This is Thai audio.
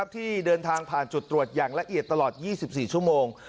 ที่เดินทางผ่านจุดตรวจอย่างละเอียดตลอด๒๔ชั่วโมง